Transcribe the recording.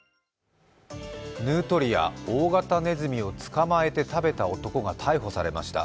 ヌートリア、大型ねずみを捕まえて食べた男が逮捕されました。